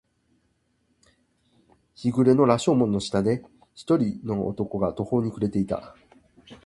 日暮れの羅生門の下で、一人の男が途方に暮れていた。